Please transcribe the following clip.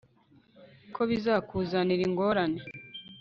ko bizakuzanira ingorane